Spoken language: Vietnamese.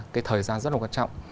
cái thời gian rất là quan trọng